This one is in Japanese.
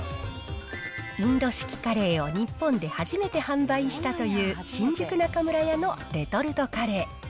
インド式カレーを日本で初めて販売したという新宿中村屋のレトルトカレー。